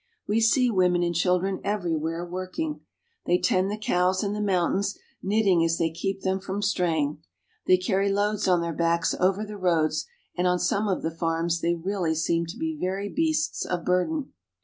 We see women and children everywhere working. They tend the cows in the mountains, knitting as they keep them from straying. They carry loads on their backs over the roads, and on some of the farms they really seem to be very beasts of burden.